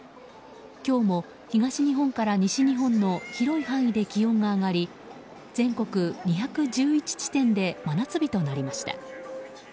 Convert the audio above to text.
今日も東日本から西日本の広い範囲で気温が上がり全国２１１地点で真夏日となりました。